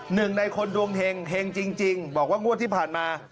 หนึ่งในคนดวงเห็งจริงบอกว่างวดที่ผ่านมา